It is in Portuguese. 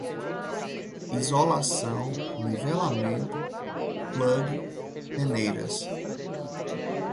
isolação, nivelamento, plug, peneiras